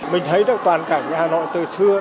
mình thấy được toàn cảnh hà nội từ xưa